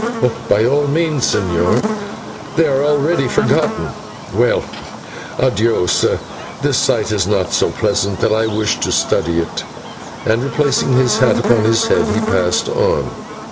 "By all means, señor; they are already forgotten. Well, /adios/, this sight is not so pleasant that I wish to study it," and replacing his hat upon his head, he passed on.